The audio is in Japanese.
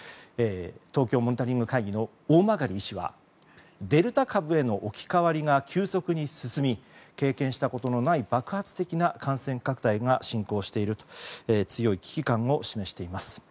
東京モニタリング会議の大曲医師はデルタ株への置き換わりが急速に進み経験したことのない爆発的な感染拡大が進行していると強い危機感を示しています。